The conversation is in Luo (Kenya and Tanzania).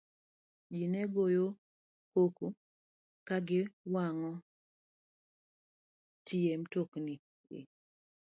Ji ne goyo koko ka giwang'o tie mtokni e